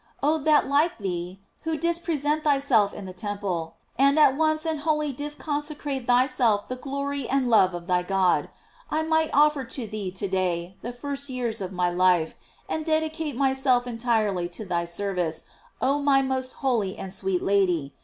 oh, that like thee, who didst present thyself in the temple, and at once and wholly didst con secrate thyself the glory and love of thy God, I might offer to thee to day the first years of my life, and dedicate myself entirely to thy service, oh my most holy and sweet Lady!